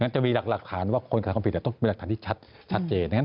จะมีหลักฐานว่าคนขายความผิดต้องเป็นหลักฐานที่ชัดเจน